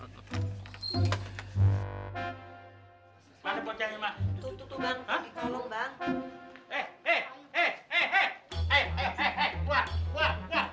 ayo ayo keluar keluar keluar